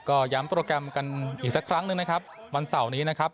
ก็ย้ำโปรแกรมกันอีกสักครั้งหนึ่งนะครับวันเสาร์นี้นะครับ